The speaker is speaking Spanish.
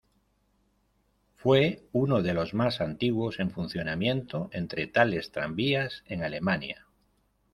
Fue uno de los más antiguos en funcionamiento entre tales tranvías en Alemania.